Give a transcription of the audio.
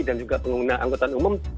dan juga pengguna anggota umum